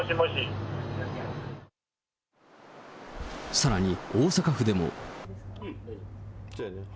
さらに大阪府でも。